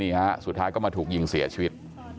สุดท้ายก็มาถูกยิงเสียชีวิต